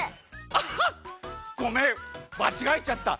アハッごめんまちがえちゃった。